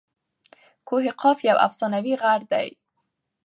کوه قاف یو افسانوي غر دئ.